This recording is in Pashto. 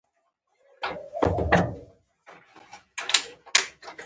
بانټو متل وایي له ماشوم سره ښه چلند وکړئ.